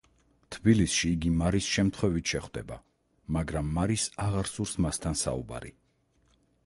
თბილისში იგი მარის შემთხვევით შეხვდება, მაგრამ მარის აღარ სურს მასთან საუბარი.